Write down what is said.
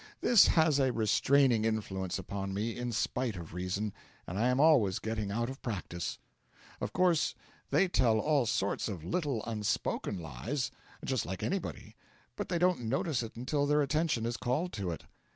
This has a restraining influence upon me in spite of reason, and I am always getting out of practice. Of course, they tell all sorts of little unspoken lies, just like anybody; but they don't notice it until their attention is called to it.